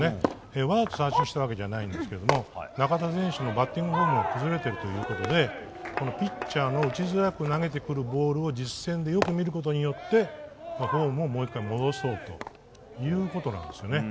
わざと三振したわけじゃないんですが、中田選手のバッティングフォームが崩れているということでピッチャーの打ちづらく投げてくるボールを実戦でよく見ることによってフォームをもう１回戻そうということなんですね。